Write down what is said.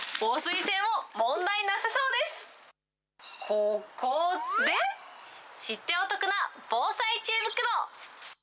ここで、知ってお得な防災知恵袋。